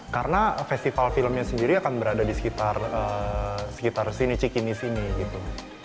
karena festival filmnya sendiri akan berada disekitar sini cikini sini gitu